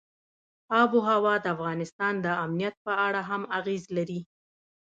آب وهوا د افغانستان د امنیت په اړه هم اغېز لري.